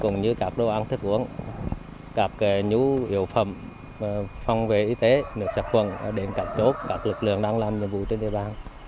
một ngày ba bữa một ngày bốn bữa một ngày năm bữa một ngày sáu bữa một ngày bảy bữa